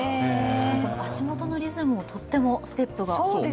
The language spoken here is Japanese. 足元のリズムもとってもステップが。